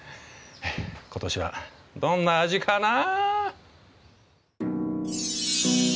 今年はどんな味かな？